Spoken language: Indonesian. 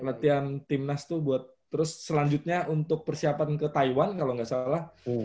latihan timnas tuh buat terus selanjutnya untuk persiapan ke taiwan kalau nggak salah